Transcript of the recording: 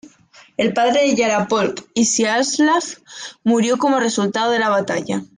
El padre de Yaropolk, Iziaslav, murió como resultado de la batalla.